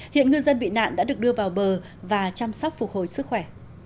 hiện ngư dân bị nạn đã được đưa vào bờ và chăm sóc phục hồi sức khỏe